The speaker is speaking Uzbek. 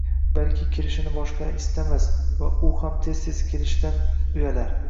balki kirishini boshqalar istamas va u ham tez-tez kelishdan uyalar?!